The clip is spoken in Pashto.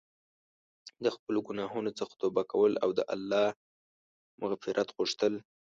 د خپلو ګناهونو څخه توبه کول او د الله مغفرت غوښتل.